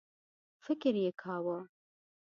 فکر یې کاوه.